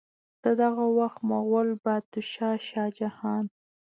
د دغه وخت مغل بادشاه شاه جهان